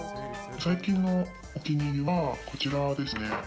最近のお気に入りは、こちらですね。